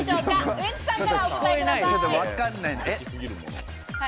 ウエンツさんからお答えください。